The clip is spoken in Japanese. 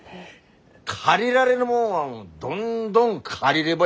借りられるもんはどんどん借りればいい。